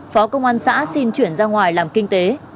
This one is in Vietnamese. phó công an xã xin chuyển ra ngoài làm kinh tế